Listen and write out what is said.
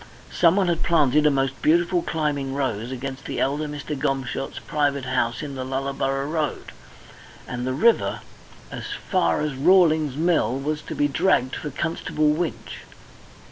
Someone had planted a most beautiful climbing rose against the elder Mr. Gomshott's private house in the Lullaborough Road, and the river as far as Rawling's Mill was to be dragged for Constable Winch.